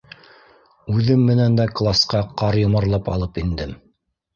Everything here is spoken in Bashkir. Үҙем менән дә класҡа ҡар йомарлап алып индем.